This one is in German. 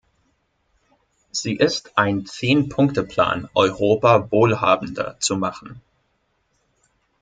Sie ist ein Zehn-Punkte-Plan, Europa wohlhabender zu machen.